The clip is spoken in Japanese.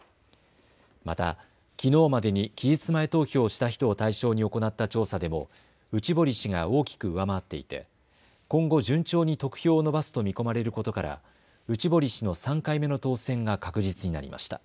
また、きのうまでに期日前投票をした人を対象に行った調査でも内堀氏が大きく上回っていて今後、順調に得票を伸ばすと見込まれることから内堀氏の３回目の当選が確実になりました。